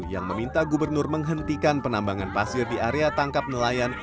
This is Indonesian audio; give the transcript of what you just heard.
yang meminta gubernur menghentikan penambangan pasir di area tangkap nelayan